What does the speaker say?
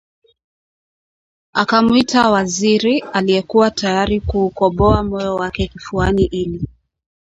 Akamuita Waziri aliyekuwa tayari kuukoboa moyo wake kifuani ili